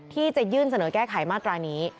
ที่จะยื่นเสนอแก้ไขมาตรานี้